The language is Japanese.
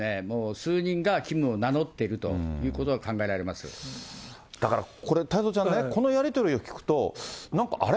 数人がキムを名乗ってるということが考えられまだからこれ、太蔵ちゃんね、このやり取りを聞くと、なんかあれ？